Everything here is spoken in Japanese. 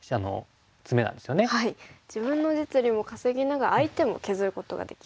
自分の実利も稼ぎながら相手も削ることができるんですね。